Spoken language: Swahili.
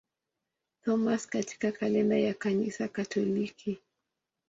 Thomas katika kalenda ya Kanisa Katoliki.